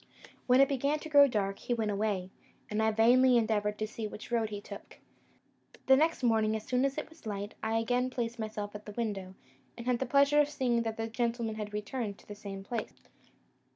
When it began to grow dark, he went away, and I vainly endeavoured to see which road he took. The next morning, as soon as it was light, I again placed myself at the window, and had the pleasure of seeing that the gentleman had returned to the same place.